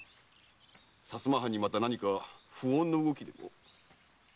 薩摩藩にまた何か不穏の動きでも？